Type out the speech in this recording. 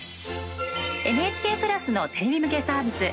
ＮＨＫプラスのテレビ向けサービス。